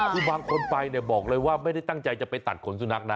คือบางคนไปเนี่ยบอกเลยว่าไม่ได้ตั้งใจจะไปตัดขนสุนัขนะ